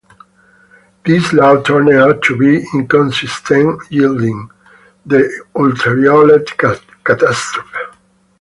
This law turned out to be inconsistent yielding the ultraviolet catastrophe.